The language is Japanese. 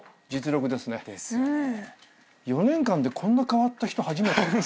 ４年間でこんな変わった人初めて。